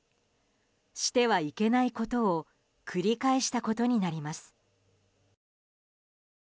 してはいけないことを繰り返したことになります。